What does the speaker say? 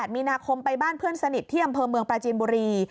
มีนาคมไปบ้านเพื่อนสนิทที่อำเภอเมืองปราจีนบุรี